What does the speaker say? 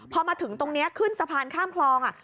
พอมาถึงตรงนี้ขึ้นสะพานข้ามคลอง